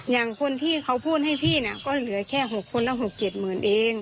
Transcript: อย่างคนที่เขาพูดให้พีทก็เหลือแค่๖คนแล้ว๖เกียรติเหมือนเอง